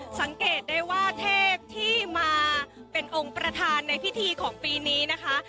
สังเกตได้ว่าเทพที่มาเป็นองค์ประธานในพิธีของปีนี้นะคะ